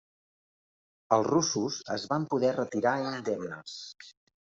Els russos es van poder retirar indemnes.